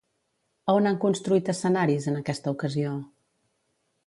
A on han construït escenaris, en aquesta ocasió?